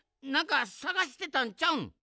なんかさがしてたんちゃうん？